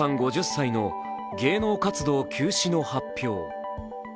５０歳の芸能活動休止の発表。